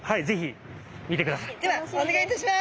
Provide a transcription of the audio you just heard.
ではお願いいたします！